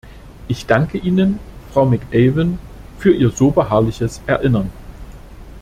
Ich danke Ihnen, Frau McAvan, für Ihr so beharrliches Erinnern.